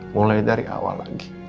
mulai dari awal